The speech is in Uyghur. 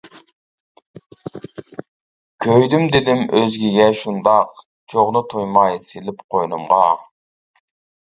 كۆيدۈم دېدىم ئۆزگىگە شۇنداق، چوغنى تۇيماي سېلىپ قوينۇمغا.